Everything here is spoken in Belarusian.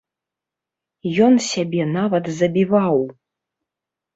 Ён сябе нават забіваў.